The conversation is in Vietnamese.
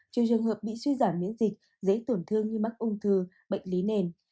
trừ trường hợp bị suy giảm miễn dịch dễ tổn thương như mắc ung thư bệnh lý nền